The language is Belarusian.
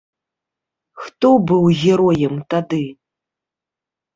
Хто быў героем тады?